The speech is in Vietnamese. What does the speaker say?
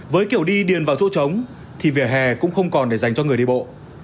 với kiểu đi điền vào chỗ trống thì vỉa hè cũng không còn để dành cho người đi bộ